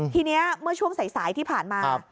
ทีนี้เมื่อช่วงสายที่ผ่านมา